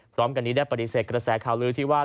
พร้อมกันนี้ได้ปฏิเสธกระแสข่าวลือที่ว่า